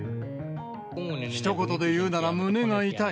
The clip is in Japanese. ひと言で言うなら、胸が痛い。